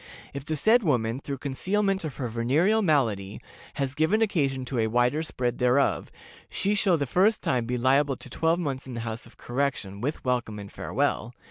If the said woman, through concealment of her venereal malady, has given occasion to a wider spread thereof, she shall the first time be liable to twelve months in the House of Correction, with welcome and farewell.